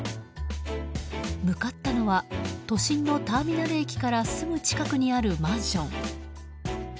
向かったのは都心のターミナル駅からすぐ近くにあるマンション。